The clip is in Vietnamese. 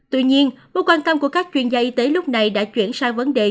tuy nhiên mối quan tâm của các chuyên gia y tế lúc này đã chuyển sang vấn đề